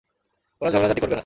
কোন ঝগড়াঝাটি করবে না।